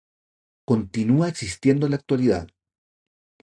Continúa existiendo en la actualidad.